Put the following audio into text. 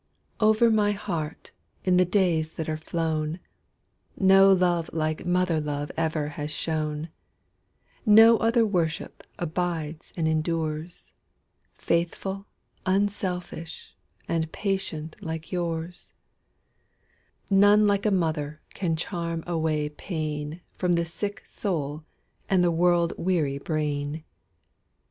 Over my heart, in the days that are flown, No love like mother love ever has shone; No other worship abides and endures,—Faithful, unselfish, and patient like yours:None like a mother can charm away painFrom the sick soul and the world weary brain.